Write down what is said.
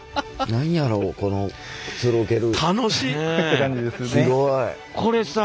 何やろうこのくつろげる。